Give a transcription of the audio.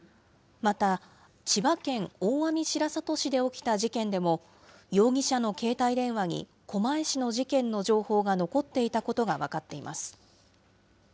また、千葉県大網白里市で起きた事件でも、容疑者の携帯電話に狛江市の事件の情報が残っていたことが分かっています。